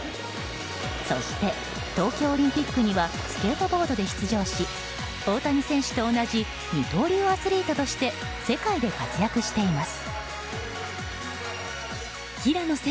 そして東京オリンピックにはスケートボードで出場し大谷選手と同じ二刀流アスリートとして世界で活躍しています。